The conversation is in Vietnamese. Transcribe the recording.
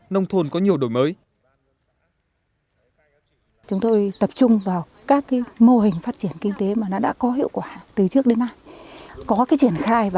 nông thôn có nhiều đổi mới